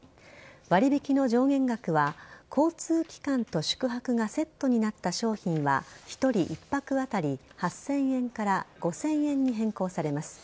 割引の上限額は交通機関と宿泊がセットになった商品は１人１泊あたり８０００円から５０００円に変更されます。